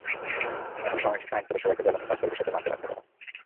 এখন সময় এসেছে আইন করে সবাইকে জ্বালানি সাশ্রয়ের বিষয়টি মানতে বাধ্য করার।